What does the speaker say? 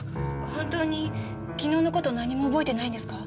本当に昨日の事何も覚えてないんですか？